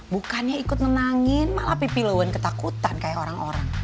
bukannya ikut menangin malah pipilowen ketakutan kayak orang orang